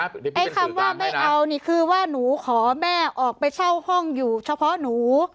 ไอ้คำว่าไม่เอานี่คือว่าหนูขอแม่ออกไปเช่าห้องอยู่เฉพาะหนู